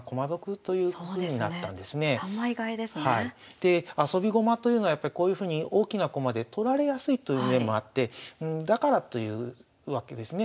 であそび駒というのはこういうふうに大きな駒で取られやすいという面もあってだからというわけですね。